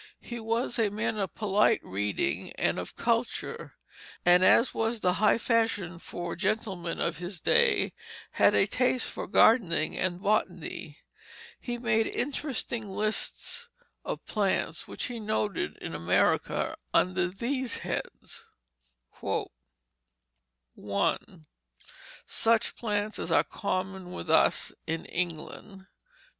He was a man of polite reading and of culture, and as was the high fashion for gentlemen of his day, had a taste for gardening and botany. He made interesting lists of plants which he noted in America under these heads: "1. Such plants as are common with us in England. "2.